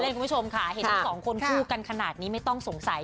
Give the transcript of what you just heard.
คุณผู้ชมค่ะเห็นทั้งสองคนคู่กันขนาดนี้ไม่ต้องสงสัย